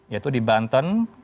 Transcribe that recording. yaitu di banten